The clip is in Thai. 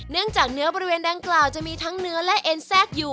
เนื้อจากเนื้อบริเวณดังกล่าวจะมีทั้งเนื้อและเอ็นแทรกอยู่